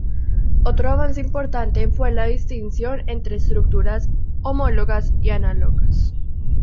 Otro avance importante fue la distinción entre estructuras homólogas y análogas.